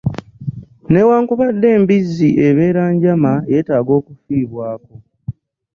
Newankubadde embizzi ebeera njama yetaaga okufiibwako.